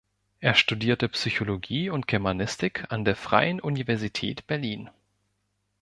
Sie studierte Psychologie und Germanistik an der Freien Universität Berlin.